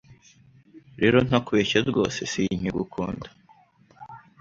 rero ntakubeshye rwose sinkigukunda